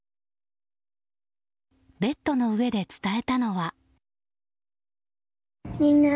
ベッドの上で伝えたのは。